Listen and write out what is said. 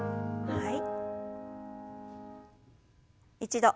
はい。